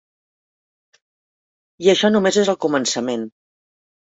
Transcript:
I això només és el començament.